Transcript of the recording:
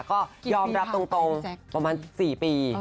ก็ยอมรับตรงประมาณ๔ปี